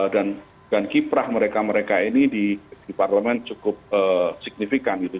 dan kiprah mereka mereka ini di parlamen cukup signifikan gitu